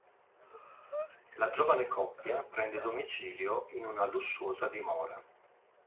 La giovane coppia prende domicilio in una lussuosa dimora.